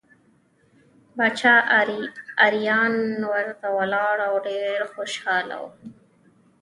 باچا اریان ورته ولاړ او ډېر خوشحاله شو.